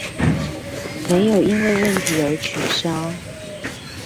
沒有因為問題而取消